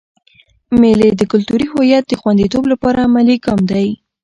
مېلې د کلتوري هویت د خونديتوب له پاره عملي ګام دئ.